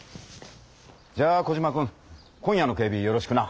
じゃあコジマくん今夜の警備よろしくな。